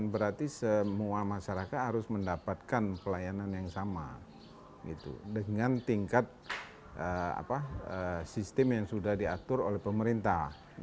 berarti semua masyarakat harus mendapatkan pelayanan yang sama dengan tingkat sistem yang sudah diatur oleh pemerintah